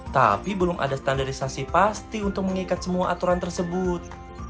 tapi belum ada standarisasi pasti untuk mengikat semua aturan tersebut